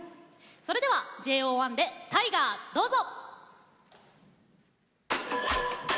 それでは、ＪＯ１で「Ｔｉｇｅｒ」、どうぞ。